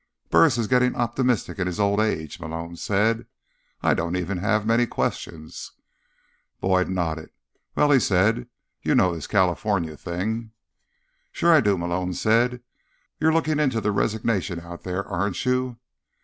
"Burris is getting optimistic in his old age," Malone said. "I don't even have many questions." Boyd nodded. "Well," he said, "you know this California thing?" "Sure I do," Malone said. "You're looking into the resignation out there, aren't you?"